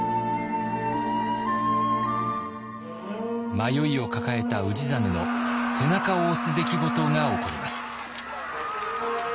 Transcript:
迷いを抱えた氏真の背中を押す出来事が起こります。